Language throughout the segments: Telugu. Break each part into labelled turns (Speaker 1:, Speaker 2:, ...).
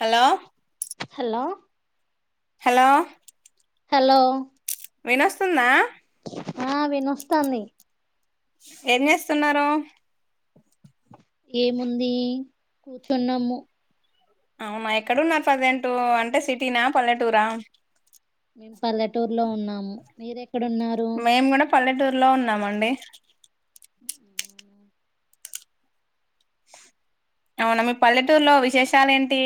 Speaker 1: హలో
Speaker 2: హలో
Speaker 1: హలో
Speaker 2: హలో
Speaker 1: వినొస్తుందా
Speaker 2: ఆ వినొస్తాంది
Speaker 1: ఏం చేస్తున్నారు
Speaker 2: ఏముందీ కూర్చున్నము
Speaker 1: అవునా ఎక్కడున్నారు ప్రెసెంటూ అంటె సిటీనా పల్లెటూరా
Speaker 2: మేము పల్లెటూర్లో ఉన్నాము మీరేక్
Speaker 1: మేమ్ కూడ పల్లెటూర్లో ఉన్నామండి
Speaker 2: [inaudible]
Speaker 1: అవ్నా మీ పల్లెటూర్లో విశేషాలేంటీ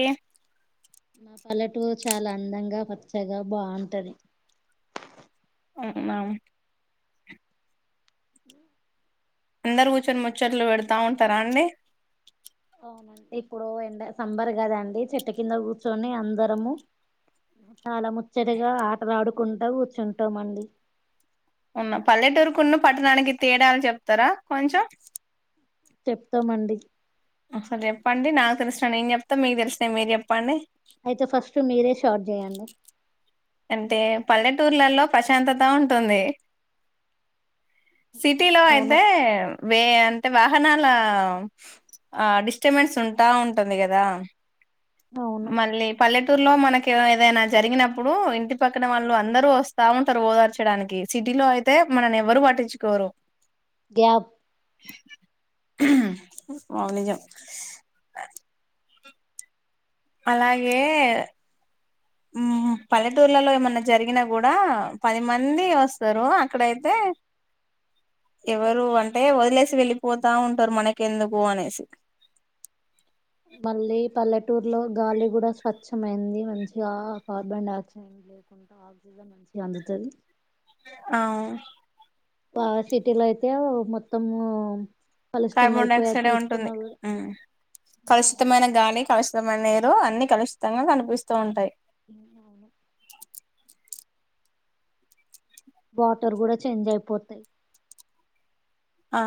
Speaker 2: మా పల్లెటూర్ చాల అందంగా పచ్చగా బావుంటాది
Speaker 1: అవునా అందరూ కూర్చొని ముచ్చట్లు పెడతా ఉంటరా అండి
Speaker 2: అవునండి ఏప్పుడో ఎండ సంబర్ కద అండి చెట్టు కింద కూర్చొని అందరము చాల ముచ్చటగా ఆటలాడుకుంట కూర్చుంటామండి
Speaker 1: ఉన్న పల్లెటూరుకున్న పట్టణానికి తేడాల్ చెప్తరా కొంచెం
Speaker 2: చెప్తమండి
Speaker 1: ఒకసారి చెప్పండి నాకు తెలిసిన నేన్ చెప్త మీక్ తెలిసినవి మీర్ చెప్పండి
Speaker 2: అయితె ఫస్ట్ మీరె షార్ట్ చేయండి
Speaker 1: అంటే పల్లెటూర్లలో ప్రశాంతత ఉంటుంది సిటీలో
Speaker 2: అవును
Speaker 1: అయితే వేయంత్ టె వాహనాలా ఆ డిస్టబెన్స్ ఉంటా ఉంటుంది కదా
Speaker 2: అవును
Speaker 1: మళ్ళీ పల్లెటూర్లో మనకేదైన జరిగినప్పు ప్పుడూ ఇంటి పక్కన వాళ్ళు అందరూ వస్తా ఉంటరు ఓదార్చడానికి సిటీలో అయితే మనల్ని ఎవ్వరు పట్టించుకో రు
Speaker 2: గ్యాప్
Speaker 1: హ్మ్మ్ మౌనిక అలాగే ఉమ్ పల్లెటూర్లలో ఏమన్న జరిగినా కూడా పది మంది వస్తరూ అక్కడైతే [inaudible] ఎవరూ అంటే వదిలేసి వెళ్ళిపోతా ఉంటరు మనకెందుకూ అనేసి [inaudible]
Speaker 2: మళ్ళీ పల్లెటూర్లో గాలి కూడ స్వచ్చమైంది మంచిగా కార్బన్ డైఆక్సైడ్ అందుతది
Speaker 1: అవ్
Speaker 2: పావర్ సిటీలో అయితే మొత్తమూ
Speaker 1: కార్బన్ డైఆక్సైడె ఉంటుంది కలుషితమైన గాలి కలుష్ ద్ద మ నీరూ అన్ని కలుషితంగాను అనిపిస్తూ ఉంటది
Speaker 2: [inaudible] వాటర్ కూడ చేంజ్ అయ్పోతది
Speaker 1: ఆ